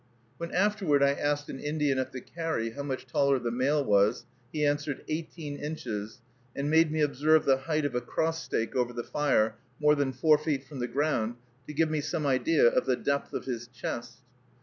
When afterward I asked an Indian at the carry how much taller the male was, he answered, "Eighteen inches," and made me observe the height of a cross stake over the fire, more than four feet from the ground, to give me some idea of the depth of his chest.